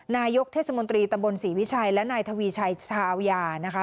นายกเทศมนตรีตำบลศรีวิชัยและนายทวีชัยชาวยานะคะ